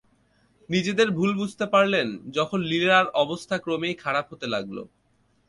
নিজেদের ভুল বুঝতে পারলেন, যখন লিরার অবস্থা ক্রমেই খারাপ হতে লাগল।